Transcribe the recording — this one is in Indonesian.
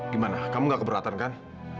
gimana kamu gak keberatan kan